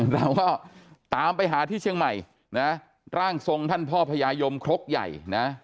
เราก็ตามไปหาที่เชียงใหม่นะร่างทรงท่านพ่อพญายมครกใหญ่นะ